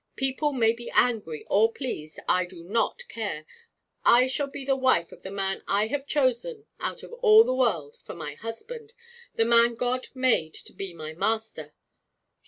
People may be angry or pleased! I do not care. I shall be the wife of the man I have chosen out of all the world for my husband the man God made to be my master.'